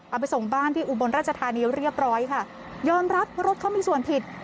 ไปส่งบ้านที่อุบลราชธานีเรียบร้อยค่ะยอมรับว่ารถเขามีส่วนผิด